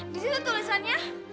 di situ tulisannya